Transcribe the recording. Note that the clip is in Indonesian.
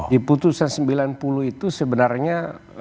di putusan sembilan puluh itu sebenarnya